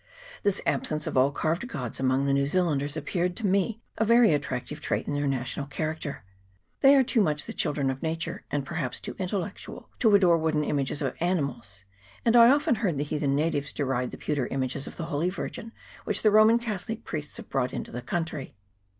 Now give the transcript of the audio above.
This absence of all carved gods among the New Zealanders appeared to me a very attractive trait in their national character. They are too much the children of nature, and perhaps too intellectual, to adore wooden images or animals, and I often heard the heathen natives deride the pewter images of the Holy Virgin which the Roman Catholic priests have brought into the country.